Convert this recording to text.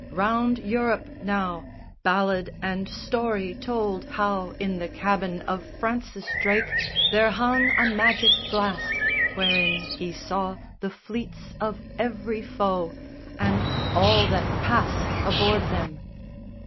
Round Europe now Ballad and story told how in the cabin Of Francis Drake there hung a magic glass Wherein he saw the fleets of every foe And all that passed aboard them.